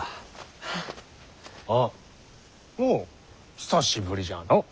おう久しぶりじゃのう。